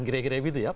kira kira begitu ya